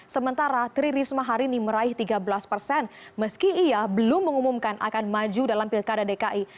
sementara tri risma hari ini meraih tiga belas persen meski ia belum mengumumkan akan maju dalam pilkada dki